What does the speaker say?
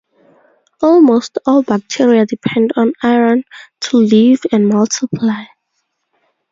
Almost all bacteria depend on iron to live and multiply.